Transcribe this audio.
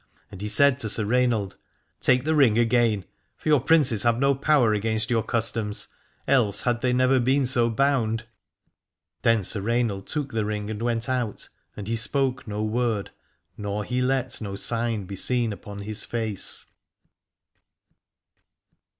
And he said to Sir Rainald : Take the ring again : for your princes have no power against your customs, else had they never been so bound. Then Sir Rainald took the ring and went out : and he spoke no word, nor he let no sign be seen upon his face.